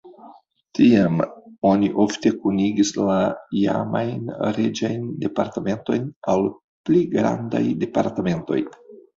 Tiam oni ofte kunigis la iamajn reĝajn departementojn al pli grandaj departementoj.